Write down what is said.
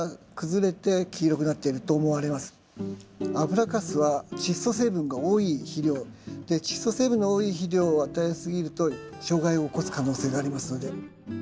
油かすはチッ素成分が多い肥料でチッ素成分の多い肥料を与えすぎると障害を起こす可能性がありますので。